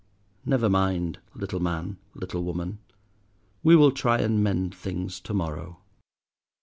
Never mind, little man, little woman, we will try and mend things to morrow.